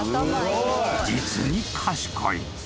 ［実に賢い］